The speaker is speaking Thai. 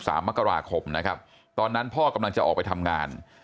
สามมกราคมนะครับตอนนั้นพ่อกำลังจะออกไปทำงาน